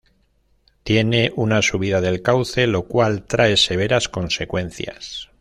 Tiene una subida del cauce lo cual trae severas consecuencias.